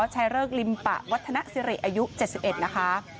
ชายเริกลิมปะวัฒนสิริอายุ๗๑นะคะ